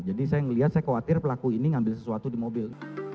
jadi saya ngeliat saya khawatir pelaku ini ngambil sesuatu di mobil